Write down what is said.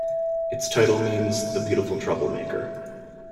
Its title means "The Beautiful Troublemaker".